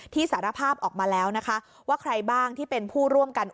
สารภาพออกมาแล้วนะคะว่าใครบ้างที่เป็นผู้ร่วมกัน